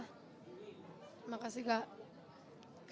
terima kasih kak